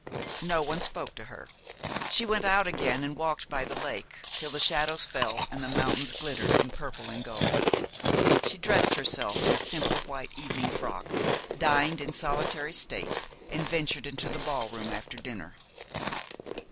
No one spoke to her. She went out again, and walked by the lake till the shadows fell and the mountains glittered in purple and gold. She dressed herself in a simple white evening frock, dined in solitary state, and ventured into the ball room after dinner.